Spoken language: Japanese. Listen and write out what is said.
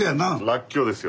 らっきょうですよ。